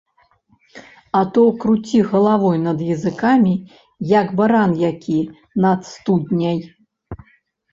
А то круці галавой над языкамі, як баран які над студняй.